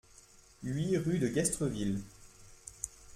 huit rue de Guestreville